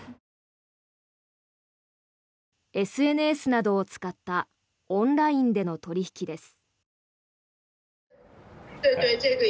ＳＮＳなどを使ったオンラインでの取引です。